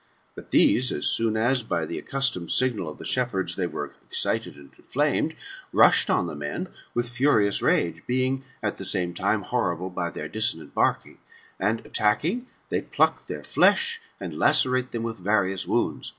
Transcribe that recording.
But these, as soon as, by the accustomed signal of the shepherds, they were excited and inflamed, rushing on the men with furious rage, being at the same time, horrible by their dissonant barking ; and, attacking, they pluck their flesh, and lacerate them with various wounds.